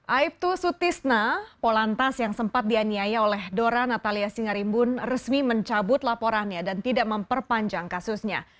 aibtu sutisna polantas yang sempat dianiaya oleh dora natalia singarimbun resmi mencabut laporannya dan tidak memperpanjang kasusnya